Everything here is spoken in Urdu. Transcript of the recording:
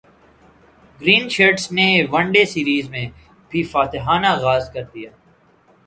گرین شرٹس نے ون ڈے سیریز میں بھی فاتحانہ غاز کر دیا